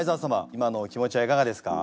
今のお気持ちはいかがですか？